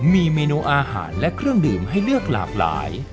มีเมนูอาหารและเครื่องดื่มให้เลือกหลากหลาย